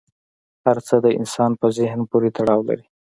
هر څه د انسان په ذهن پورې تړاو لري.